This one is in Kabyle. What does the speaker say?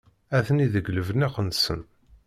Atni deg tebniqt-nsen.